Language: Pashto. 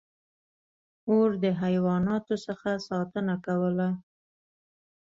• اور د حیواناتو څخه ساتنه کوله.